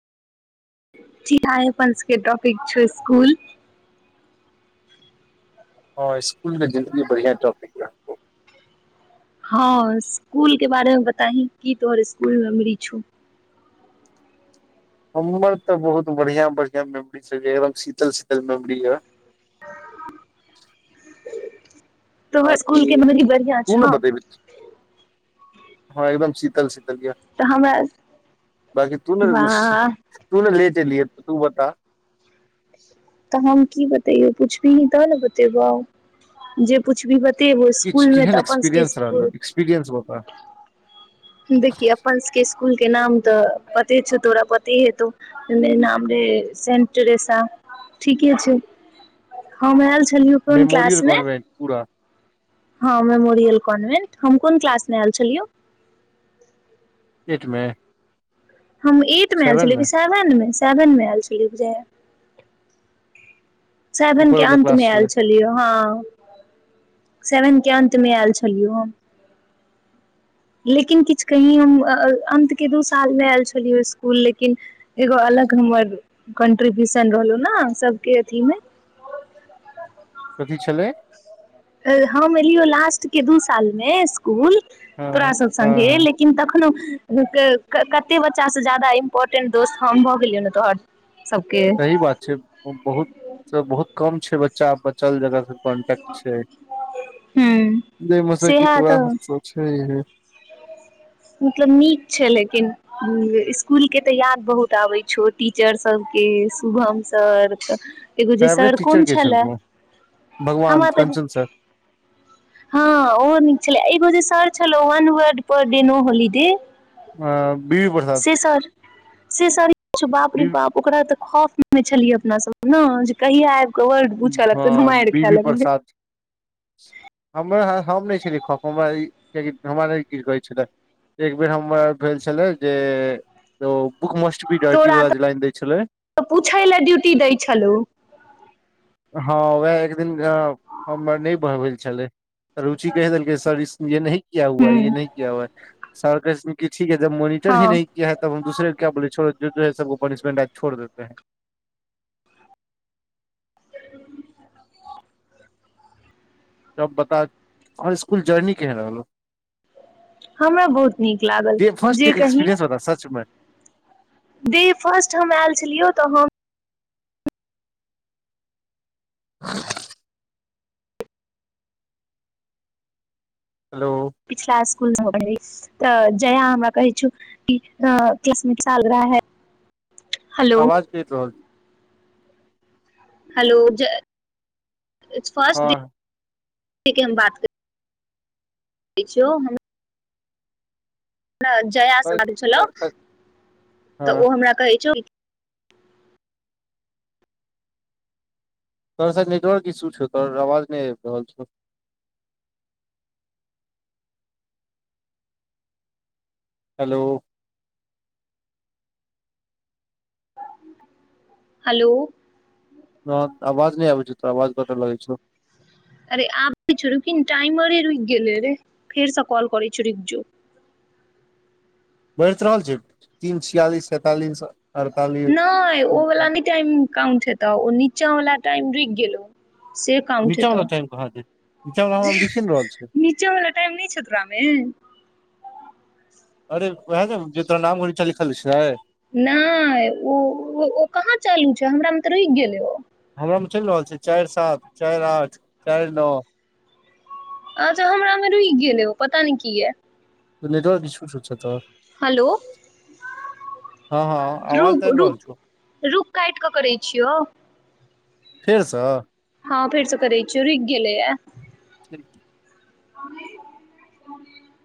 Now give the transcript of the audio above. ची आइपंसके टॉपिक छ स्कुल ह स्कुल के जिन्दगी बढ़िआं टॉपिक ह हँ स्कुल के बारेमे बताही की तोहर स्कुल मेछू हमर तऽ बहुत बढ़िआँ बढ़िआँ मेमोरी छल एकदम शीतल शीतल मेमोरी यए ह [inaudible] स्कूल के ताकि मेमोरी बढ़िया तू छौ ने बते भी हँ एकदम ची कलसितै [inaudible] ग तऽ हमरा बाकी तू ने वाह तू ने लेट [unintelligible] च लियए त तू बता तऽ हम की बतेयौ कुछ भी ह तब ने बते ब जे कुछ भी ब किछु केहन एक्सपीरियंस रहलहु एक्सपीरियएंस बता देखिय अपन सब के स्कूल स्कुलके नाम तऽ पते छं तोरा प नाम रे सं‌टरैसा ठीके छै हम आयल छी मेमोरियल कॉनभेन्ट पूरा हँ मेमोरियल कॉन्वेन्ट हम कोन क्लासमे आयल छलियौ एटमे हम एट मे आल छलियै क सेवन मे सेवनमे आल छलि‌ये बुझै ऊपर सेवनके वाला क्लास अंतमे आयल छलै छलियै हँ सेवेन के अन्तमे आयल छलियौ लेकिन किछु कही हम अन्तके दू सालमे आयल छलियै इसकुल लेकिन एगो अलग हमर कन्ट्रीब्यूशन रहलहु ने सभके अथीमे कथी छलै ह मिलियौ लास्ट के दू सालमे इसकुल हँ तोरा सब हँ समझे हँ लेकिन तखनो कते बच्चाँ ज्याददा इम्पोर्टेंट दोस्त हम भऽ गेलियौ तोहर सबके सही बात छै बहुत से बहुत कम छै बच्चा ब चल जगह फर कॉन्टेक्ट छै हूँ नहि मस की सेहा तोरा तऽ छै मतलब नीक छै लेकिन इसकुलके तऽ याद बहुत आबैत छौ टीचरसभके शुभम सर एगो जे फेवरेट सर टीचर कोन के छले छलखुन भगवान हमरा त कंचन सर हँ ओ नीक छलै जे सर चलो वन word per a no holiday आ बीवी प्रसाद से सरी बापरी बी बाप ओकरा त खौफ मे छलियै अपना सब ने जे कहिया आयब हँ बीबी प्रसाद हम हम नहि छललिए हमरा नहि की कहै छलै एकबर हमर भेल छलै जे ओ बुक मस्ट बी डर्टी तोरा वाला जे लाइन दै छलै तऽ पूछय लेलए ड्यूटी देय छलहु ह वएह एक दिन हम नए बहबैल छलै रुचि कह देलक सरस येह किया हुआ हूँ ये नहि किया हुआ है सर कहय छथिन की ठीक है तब हँ मोनिटरी नहि किया है तब हम दूसरे को क्या बोले छोड़ो सबको पनिशमेंट आज छोड़ देते है तब बता तोहर इसकुल जर्नी केहन रहलौ हमरा बहुत नीक लागल फर्स्ट डे जे के कही एक्सपीरियंस बता सच मे डे फर्स्ट हम आयल छलियौ तऽ हम [inaudible] हेलो इसकुलमे पढ़ी तऽ जया हमरा कहै छौ कि क्लसमिक साल रह है हेलो आवाज कट रहल छै hello Jai it's first the हँ ठीक ह हम बात कर बेचो ह हम जयास से बाज छलहु हँ तऽ ओ हमरा कहै छौ तोर सा नेटवर्क ईी श छौ तोर अवाज नहि रहलल छौ हेलो हेलो ह आवाज नहि आबै छै त अवाज बत लगै छ अरे आब छ रू कि टाइमरे रुकि गेलै रे फेरसँ कल करै छ र जु बढ़ैत रहल छै तीन छियालिस सैंतालिस अड़तालिस नहि ओ वाला न त कं छै तऽ ओ नीचा वला टाइम रुक गेल से काम छै नीचा वाला तऽ टाइम कहाँ छै नीचा वाला हमरा जे मे देखिए ने रहल छै नीचेवला टाइम नहि छै ओकरामे अरे वएह ने जे तोरा नाम उलटा लिखल छै नहि ओ ओ कहाँ चालू छै हमरा मे तऽ रुकि गेलै ओ हमरा मे चलि रहल छै चारि सात चारि आठ चारि नओ अच्छा हमरा मे रुकि गेलै ओ पता नहि की य त नेटवर्क इसु छ छै तर हेलो हँ हँ रु आवाज तऽ आबि रु रहल छौ रुख काटि कऽ करै छियौ फेरसँ हँ फेरस करै छियौ रूइक गेलै याय [inaudible] ह [inaudible]